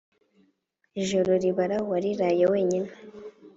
Ijoro ribara uwariraye wenyine